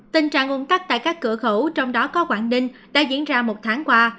tình trạng ôm tắt tại các cửa khẩu trong đó có quảng ninh đã diễn ra một tháng qua